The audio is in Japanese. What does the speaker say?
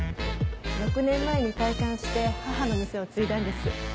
６年前に退官して母の店を継いだんです。